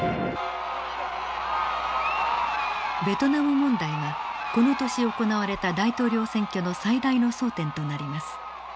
ベトナム問題はこの年行われた大統領選挙の最大の争点となります。